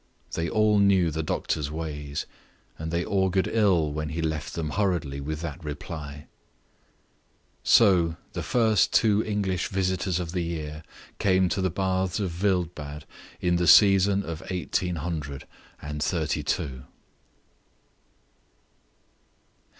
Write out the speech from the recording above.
They all knew the doctor's ways, and they augured ill when he left them hurriedly with that reply. So the two first English visitors of the year came to the Baths of Wildbad in the season of eighteen hundred and thirty two.